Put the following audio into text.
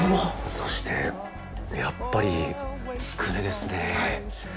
そしてやっぱりつくねですね。